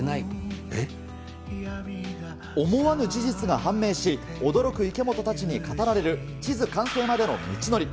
思わぬ事実が判明し、驚く池本たちに語られる、地図完成までの道のり。